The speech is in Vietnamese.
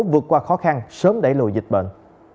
vượt qua khó khăn sớm đẩy lùi dịch bệnh